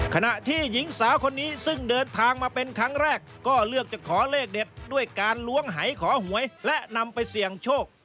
ขณะที่หญิงสาวคนนี้ซึ่งเดินทางมาเป็นครั้งแรกก็เลือกจะขอเลขเด็ดด้วยการล้วงหายขอหวยและนำไปเสี่ยงโชค